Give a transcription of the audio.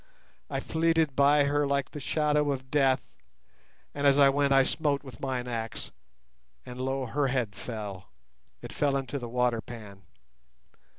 I fleeted by her like the shadow of Death, and as I went I smote with mine axe, and lo! her head fell: it fell into the water pan.